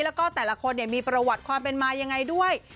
แล้วก็แต่ละคนมีประวัติความเป็นมายังไงด้วย